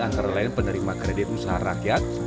antara lain penerima kredit usaha rakyat